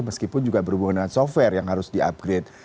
meskipun juga berhubungan dengan software yang harus di upgrade